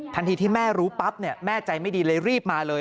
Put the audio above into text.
ทันทีที่แม่รู้ปั๊บแม่ใจไม่ดีเลยรีบมาเลย